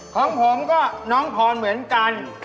ของผมก็น้องพรเหมือนกัน